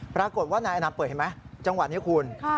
ปรากฏว่านายอนันต์เปิดเห็นไหมจังหวะนี้คุณ